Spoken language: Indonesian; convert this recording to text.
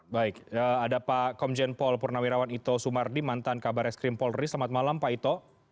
baik ada pak komjen paul purnawirawan ito sumardi mantan kabar eskrim polri selamat malam pak ito